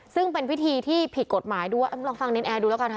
ซึ่งเป็นพิธีที่ผิดกฎหมายด้วยลองฟังเนรนแอร์ดูแล้วกันค่ะ